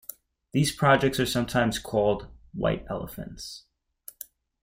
These projects are sometimes called 'white elephants'.